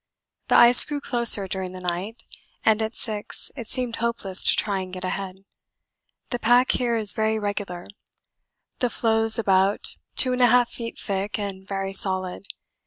The ice grew closer during the night, and at 6 it seemed hopeless to try and get ahead. The pack here is very regular; the floes about 2 1/2 feet thick and very solid.